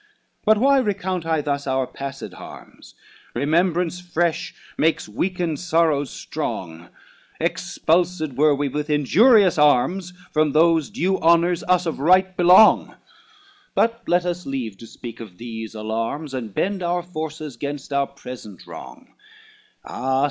XII "But why recount I thus our passed harms? Remembrance fresh makes weakened sorrows strong, Expulsed were we with injurious arms From those due honors, us of right belong. But let us leave to speak of these alarms, And bend our forces gainst our present wrong: Ah!